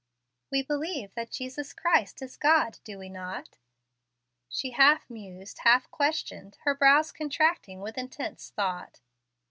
"We believe that Jesus Christ is God, do we not?" she half mused, half questioned, her brows contracting with intense thought.